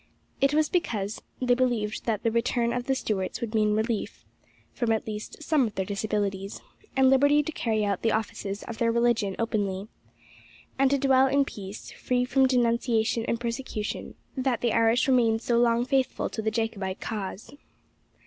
It was because they believed that the return of the Stuarts would mean relief, from at least some of their disabilities, and liberty to carry out the offices of their religion openly, and to dwell in peace, free from denunciation and persecution, that the Irish remained so long faithful to the Jacobite cause.